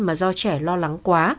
mà do trẻ lo lắng quá